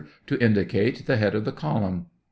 To indicate the head of the column. Q.